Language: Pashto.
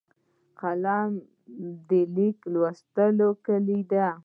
قلم د لیک لوست کلۍ ده